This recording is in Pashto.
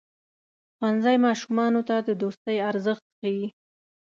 ښوونځی ماشومانو ته د دوستۍ ارزښت ښيي.